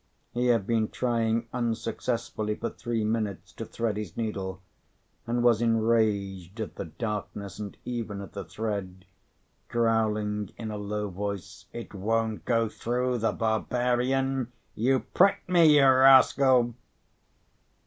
He had been trying unsuccessfully for three minutes to thread his needle, and was enraged at the darkness and even at the thread, growling in a low voice, "It won't go through, the barbarian! you pricked me, you rascal!"